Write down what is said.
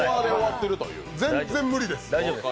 全然無理です。